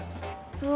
うわ！